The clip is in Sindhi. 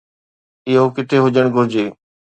اهو ڪٿي هجڻ گهرجي؟